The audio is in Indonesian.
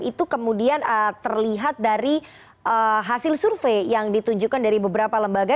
itu kemudian terlihat dari hasil survei yang ditunjukkan dari beberapa lembaga